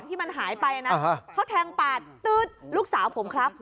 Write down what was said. ที่มันหายไปนะเขาแทงปาดตื๊ดลูกสาวผมครับ